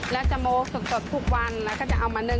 และสมองสวดสวดทุกวัน